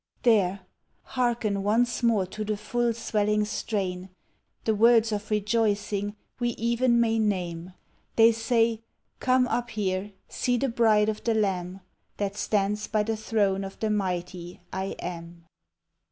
There! hearken once more to the full swelling strain, The words of rejoicing we even may name; They say, "Come up here, see the bride of the Lamb, That stands by the throne of the mighty I AM!"